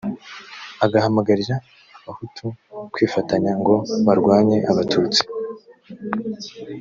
agahamagarira abahutu kwifatanya ngo barwanye abatutsi